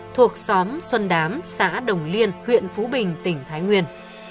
thuộc xóm xuân đám xã đồng liên huyện phú bình tỉnh thái nguyên